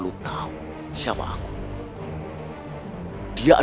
lalu aku berhukum bagi yeah